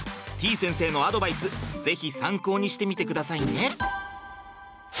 てぃ先生のアドバイス是非参考にしてみてくださいね！